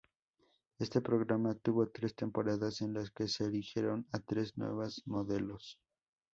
Este programa tuvo tres temporadas en las que se eligieron a tres nuevas modelos.